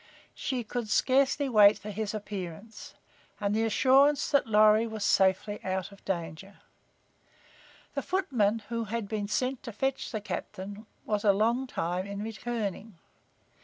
She could scarcely wait for his appearance and the assurance that Lorry was safely out of danger. The footman who had been sent to fetch the captain was a long time in returning.